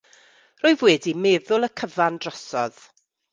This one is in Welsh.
Rwyf wedi meddwl y cyfan drosodd.